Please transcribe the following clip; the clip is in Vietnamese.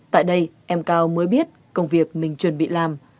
tại đây em cao mới biết công việc mình chuẩn bị làm